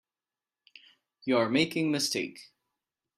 You are making a mistake.